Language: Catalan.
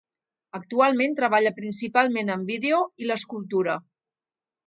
Actualment treballa principalment en vídeo i l'escultura.